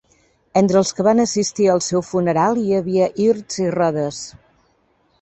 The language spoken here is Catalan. Entre els que van assistir al seu funeral hi havia Hirst i Rodes.